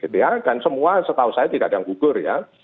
dan semua setahu saya tidak ada yang gugur